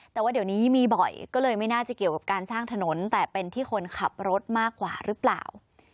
แต่ว่าเดี๋ยวนี้มีบ่อยก็เลยไม่น่าจะเกี่ยวกับการสร้างถนนแต่เป็นที่คนขับรถมากกว่าหรือเปล่า